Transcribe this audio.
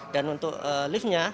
dan untuk liftnya